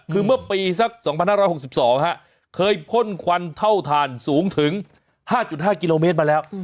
คือเมื่อปีสัก๒๕๖๒เคยพ่นควันเท่าทานสูงถึง๕๕กิโลเมตรมาแล้ว